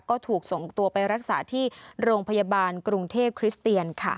ก็ถูกส่งตัวไปรักษาที่โรงพยาบาลกรุงเทพคริสเตียนค่ะ